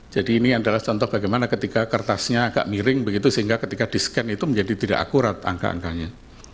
jadi ini adalah contoh bagaimana ketika kertasnya agak miring begitu sehingga ketika di scan itu menjadi tidak akurat angka angkanya